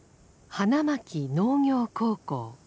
花巻農業高校。